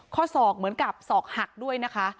ข้อศอกเหมือนกับศอกหักด้วยนะคะ